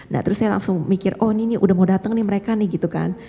nah terus saya langsung mikir oh ini nih udah mau datang nih mereka nih gitu kan